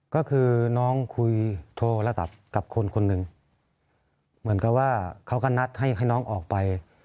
ก็คือน้องคุยโทรศัพท์กับคนคนหนึ่งเหมือนกับว่าเขาก็นัดให้น้องออกไป